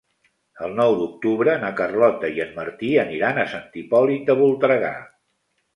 El nou d'octubre na Carlota i en Martí aniran a Sant Hipòlit de Voltregà.